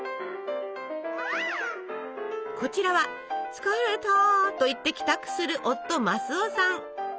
こちらは「つかれた」と言って帰宅する夫マスオさん。